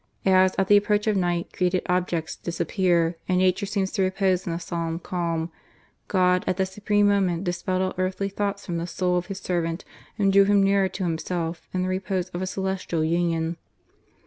As, at the approach of night, created objects dis appear, and nature seems to repose in a solemn calm, God, at that supreme moment, dispelled all earthly thoughts from the soul of His servant, and drew him nearer to Himself, in the repose of a celestial union.